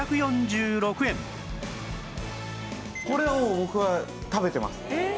これはもう僕は食べてます！